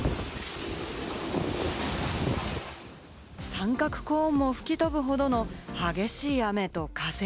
三角コーンも吹き飛ぶほどの激しい雨と風。